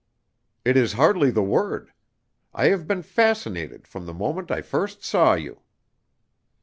"It is hardly the word. I have been fascinated from the moment I first saw you."